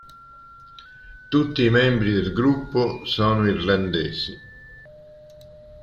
Tutti i membri del gruppo sono irlandesi.